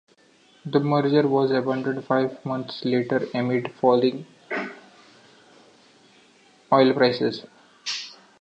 The merger was abandoned five months later amid falling oil prices.